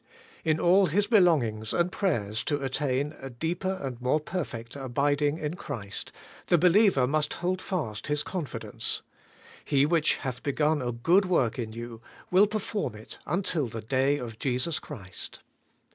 In all his belongings and prayers to attain to a deeper and more perfect abiding in Christ, the believer must hold fast his confidence: 'He which hath begun a good work in you, will perform it until the day of Jesus Christ.'